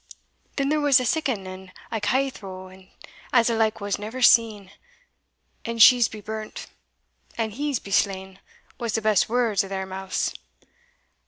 Then there was siccan a ca' thro', as the like was never seen; and she's be burnt, and he's be slain, was the best words o' their mouths.